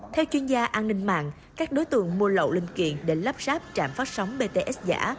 theo chuyên gia an ninh mạng các đối tượng mua lậu linh kiện để lắp ráp trạm phát sóng bts giả